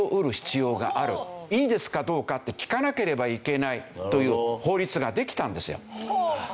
いいですかどうかって聞かなければいけないという法律ができたんですよ。